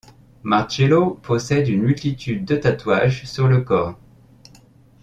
Marcello possède une multitude de tatouages sur le corps.